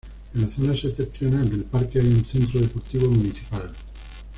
En la zona septentrional del parque hay un centro deportivo municipal.